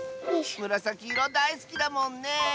むらさきいろだいすきだもんね！